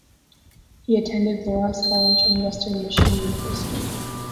He attended Loras College and Western Michigan University.